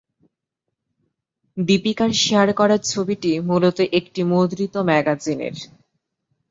দীপিকার share করা ছবিটি মূলত একটি মুদ্রিত ম্যাগাজিনের।